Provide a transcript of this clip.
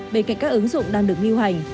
bề cạnh các ứng dụng đang được nghiêu hành